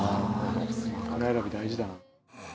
枕選び大事だな。